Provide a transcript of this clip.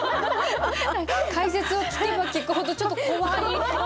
解説を聞けば聞くほどちょっと怖い感じが。